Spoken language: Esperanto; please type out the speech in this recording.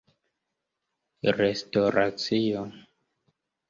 restoracio